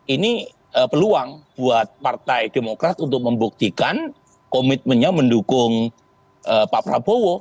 ini peluang buat partai demokrat untuk membuktikan komitmennya mendukung pak prabowo